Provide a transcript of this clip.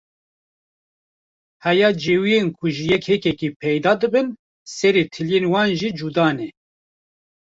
Heya cêwiyên ku ji yek hêkekî peyda dibin, serê tiliyên wan jî cuda ne!